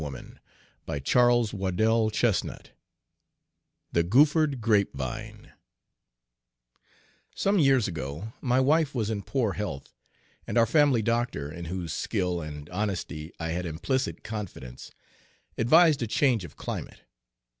Page 1 THE CONJURE WOMAN THE GOOPHERED GRAPEVINE SOME years ago my wife was in poor health, and our family doctor, in whose skill and honesty I had implicit confidence, advised a change of climate.